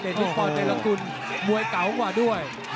เดชน์ฟิสปอร์ตในละกุลมวยเก๋ากว่าด้วย